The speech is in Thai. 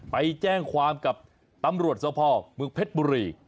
ไปแจ้งความกับตำรวจสภเมืองเพชรบุรี